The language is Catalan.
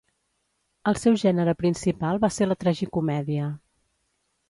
El seu gènere principal va ser la tragicomèdia.